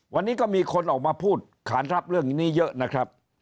วันนี้ก็มีคนออกมาพูดขานรับเรื่องนี้เยอะนะครับ